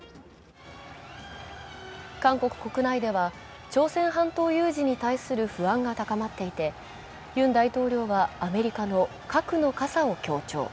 韓国国内では朝鮮半島有事に対する不安が高まっていてユン大統領は、アメリカの核の傘を強調。